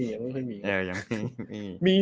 ยังไม่ค่อยมี